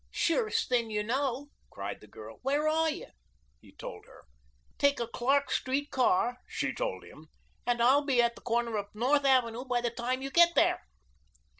"Surest thing you know," cried the girl. "Where are you?" He told her. "Take a Clark Street car," she told him, "and I'll be at the corner of North Avenue by the time you get there."